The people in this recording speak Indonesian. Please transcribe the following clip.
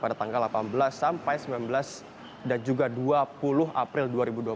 dan itu akan terjadi pada tanggal delapan belas sampai sembilan belas dan juga dua puluh april dua ribu dua puluh tiga